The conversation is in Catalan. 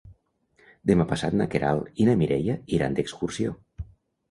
Demà passat na Queralt i na Mireia iran d'excursió.